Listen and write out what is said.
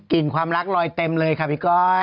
ความรักลอยเต็มเลยค่ะพี่ก้อย